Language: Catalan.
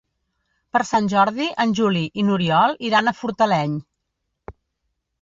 Per Sant Jordi en Juli i n'Oriol iran a Fortaleny.